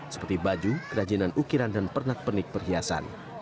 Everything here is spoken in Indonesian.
seperti baju kerajinan ukiran dan pernak pernik perhiasan